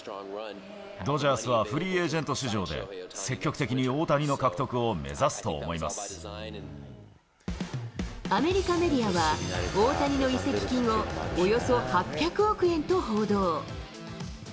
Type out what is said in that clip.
ドジャースはフリーエージェント市場で、積極的に大谷の獲得を目アメリカメディアは、大谷の移籍金をおよそ８００億円と報道。